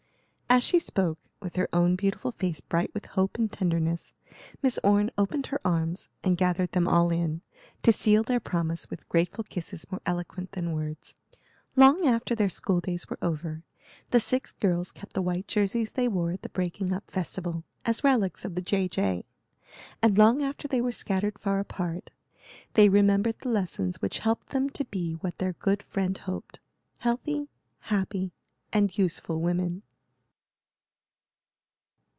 As she spoke, with her own beautiful face bright with hope and tenderness, Miss Orne opened her arms and gathered them all in, to seal their promise with grateful kisses more eloquent than words. Long after their school days were over, the six girls kept the white jerseys they wore at the breaking up festival, as relics of the J. J.; and long after they were scattered far apart, they remembered the lessons which helped them to be what their good friend hoped healthy, happy, and useful women.